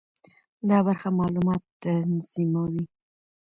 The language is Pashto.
دا برخه معلومات تنظیموي.